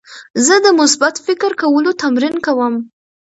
زه د مثبت فکر کولو تمرین کوم.